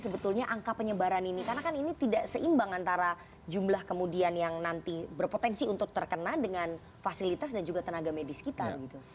sebetulnya angka penyebaran ini karena kan ini tidak seimbang antara jumlah kemudian yang nanti berpotensi untuk terkena dengan fasilitas dan juga tenaga medis kita gitu